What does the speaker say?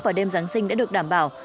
và đêm giáng sinh đã được đảm bảo